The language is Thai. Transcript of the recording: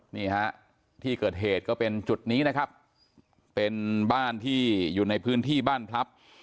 นี่ฮะที่เกิดเหตุก็เป็นจุดนี้นะครับเป็นบ้านที่อยู่ในพื้นที่บ้านพลับ